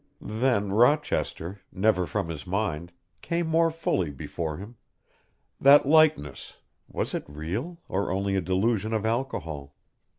Then Rochester, never from his mind, came more fully before him that likeness, was it real, or only a delusion of alcohol?